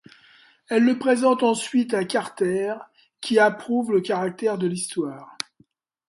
Elle le présente ensuite à Carter, qui approuve le caractère de l'histoire.